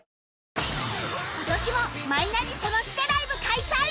今年もマイナビサマステライブ開催！